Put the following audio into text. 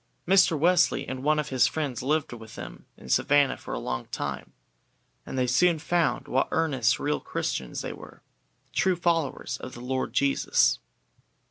Mr. Wesley and one of his friends lived with them in Savannah for a long time, and they soon found what earnest real Christians they were, true followers of the Lord Jesus.